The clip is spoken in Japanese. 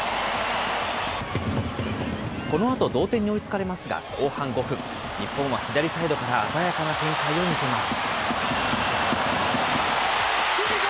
このあと同点に追いつかれますが、後半５分、日本は左サイドから鮮やかな展開を見せます。